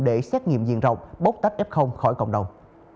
để xét nghiệm diện rộng bốc tách f khỏi cộng đồng